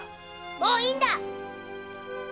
もういいんだ！